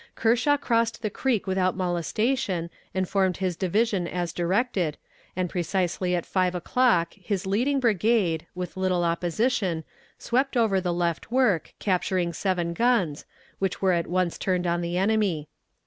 Kershaw crossed the creek without molestation and formed his division as directed, and precisely at five o'clock his leading brigade, with little opposition, swept over the left work, capturing seven guns, which were at once turned on the enemy.